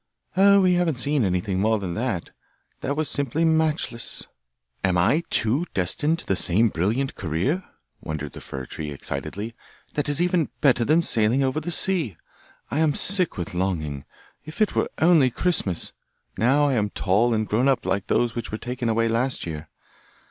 'Oh, we haven't seen anything more than that. That was simply matchless!' 'Am I too destined to the same brilliant career?' wondered the fir tree excitedly. 'That is even better than sailing over the sea! I am sick with longing. If it were only Christmas! Now I am tall and grown up like those which were taken away last year.